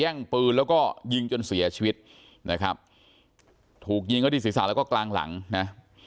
ปืนแล้วก็ยิงจนเสียชีวิตนะครับถูกยิงเขาที่ศีรษะแล้วก็กลางหลังนะ